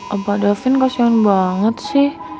emu bapak davin kasian banget sih